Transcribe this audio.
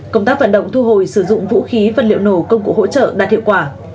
công tác vận động thu hồi sử dụng vũ khí vật liệu nổ công cụ hỗ trợ đạt hiệu quả